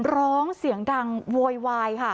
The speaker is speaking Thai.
ร้องเสียงดังโวยวายค่ะ